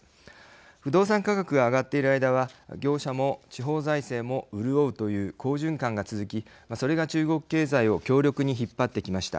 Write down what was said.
不動産価格が上がっている間は業者も地方財政も潤うという好循環が続きそれが中国経済を強力に引っ張ってきました。